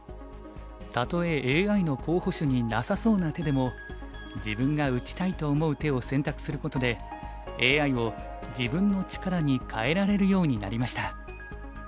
たとえＡＩの候補手になさそうな手でも自分が打ちたいと思う手を選択することでＡＩを自分の力に変えられるようになりました。